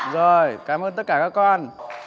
rồi cảm ơn tất cả các con